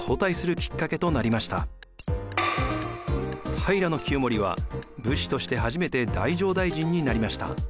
平清盛は武士として初めて太政大臣になりました。